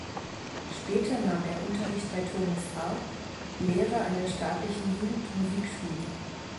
Später nahm er Unterricht bei Thomas Arp, Lehrer an der staatlichen Jugendmusikschule.